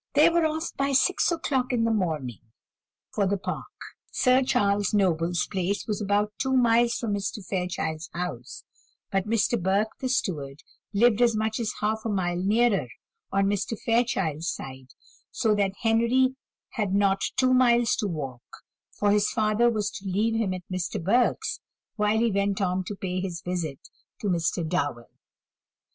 They were off by six o'clock in the morning for the Park. Sir Charles Noble's place was about two miles from Mr. Fairchild's house, but Mr. Burke, the steward, lived as much as half a mile nearer, on Mr. Fairchild's side, so that Henry had not two miles to walk, for his father was to leave him at Mr. Burke's, whilst he went on to pay his visit to Mr. Darwell.